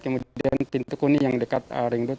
kemudian pintu kuning yang dekat ringgit